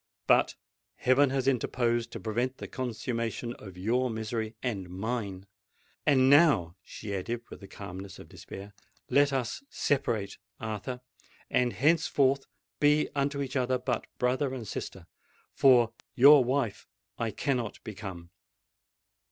But heaven has interposed to prevent the consummation of your misery—and mine! And now," she added, with the calmness of despair, "let us separate, Arthur—and henceforth be unto each other but brother and sister;—for your wife I cannot become!"